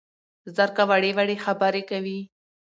زرکه وړې وړې خبرې کوي